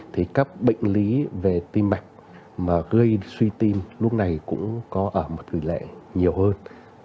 thì các bệnh lý về tim mạch mà gây suy tim lúc này cũng có ở một tỷ lệ nhiều hơn